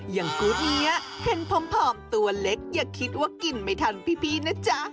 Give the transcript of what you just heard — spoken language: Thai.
กู๊ดนี้เห็นผอมตัวเล็กอย่าคิดว่ากินไม่ทันพี่นะจ๊ะ